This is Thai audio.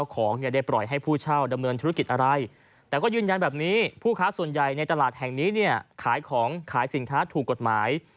ขายสินค้าถูกกฎหมาย